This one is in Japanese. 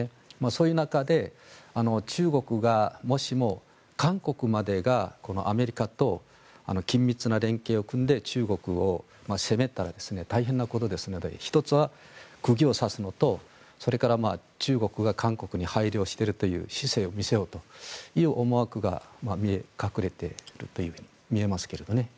そういう中で中国がもしも韓国までがアメリカと緊密な連携を組んで中国を攻めたら大変なことですので１つは釘を刺すのとそれから中国が韓国に配慮しているという姿勢を見せようという思惑が隠れていると見えますけどね。